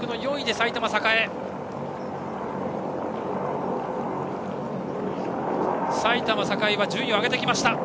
埼玉栄は順位を上げてきた。